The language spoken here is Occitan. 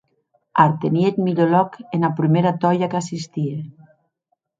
Artenhie eth milhor lòc ena prumèra tòia qu’assistie!